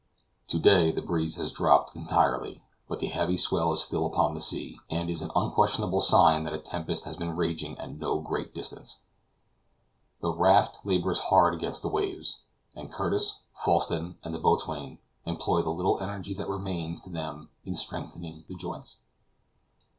To day the breeze has dropped entirely, but the heavy swell is still upon the sea, and is an unquestionable sign that a tempest has been raging at no great distance. The raft labors hard against the waves, and Curtis, Falsten, and the boatswain, employ the little energy that remains to them in strengthening the joints.